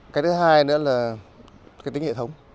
cái thứ hai nữa là cái tính hệ thống